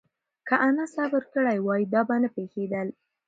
که انا صبر کړی وای، دا به نه پېښېدل.